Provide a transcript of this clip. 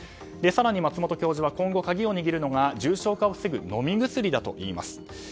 更に松本教授は今後、鍵を握るのは重症化を防ぐ飲み薬だといいます。